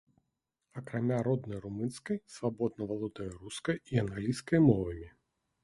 Акрамя роднай румынскай, свабодна валодае рускай і англійскай мовамі.